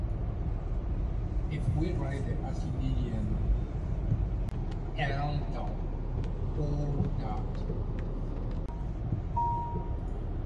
If we write the Archimedean l.o.